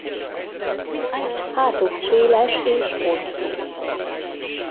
Hátuk széles és hosszú.